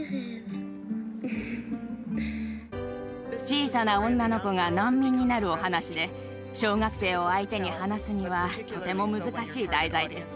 小さな女の子が難民になるお話で小学生を相手に話すにはとても難しい題材です。